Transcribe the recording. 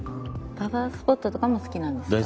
パワースポットとかも好きなんですか？